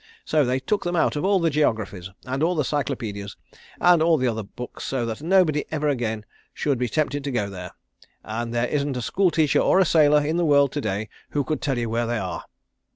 So they took them out of all the geographies, and all the cyclopædias, and all the other books, so that nobody ever again should be tempted to go there; and there isn't a school teacher or a sailor in the world to day who could tell you where they are."